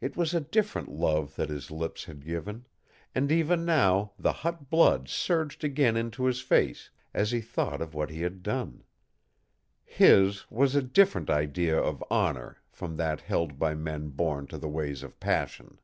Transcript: It was a different love that his lips had given, and even now the hot blood surged again into his face as he thought of what he had done. His was a different idea of honor from that held by men born to the ways of passion.